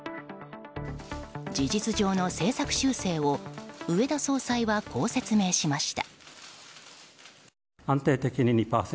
事実上の政策修正を植田総裁はこう説明しました。